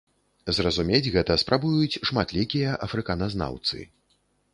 Зразумець гэта спрабуюць шматлікія афрыканазнаўцы.